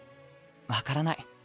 分からない。